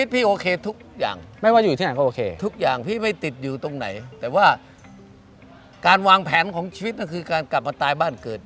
ทุกอย่างทุกอย่างพี่ไม่ติดอยู่ตรงไหนแต่ว่าการวางแผนของชีวิตนั่นคือการกลับมาตายบ้านเกิด